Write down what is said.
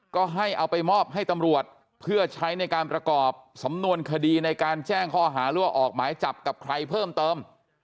ก็ให้เอาไปมอบให้ตำรวจเพื่อใช้ในการประกอบสำนวนคดีในการแจ้งข้อหาหรือว่าออกหมายจับกับใครเพิ่มเติม